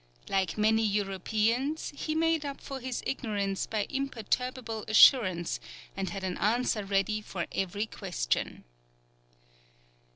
Like many Europeans, he made up for his ignorance by imperturbable assurance, and had an answer ready for every question.